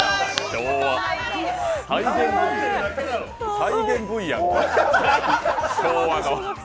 再現Ｖや、昭和の。